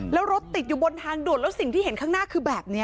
แล้วรถติดอยู่บนทางด่วนแล้วสิ่งที่เห็นข้างหน้าคือแบบนี้